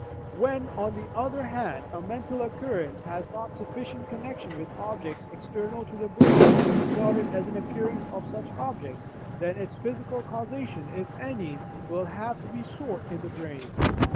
When, on the other hand, a mental occurrence has not sufficient connection with objects external to the brain to be regarded as an appearance of such objects, then its physical causation (if any) will have to be sought in the brain.